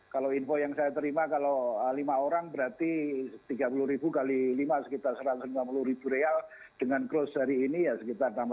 kalau info yang saya terima kalau lima orang berarti rp tiga puluh x lima sekitar rp satu ratus lima puluh dengan kurs dari ini sekitar rp enam ratus